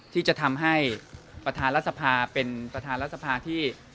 ที่จะทำให้ประธานรัฐสภาเป็นประธานรัฐสภาที่